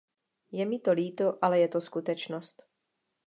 Je mi to líto, ale je to skutečnost.